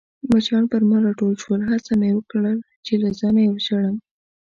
مچان پر ما راټول شول، هڅه مې وکړل چي له ځانه يې وشړم.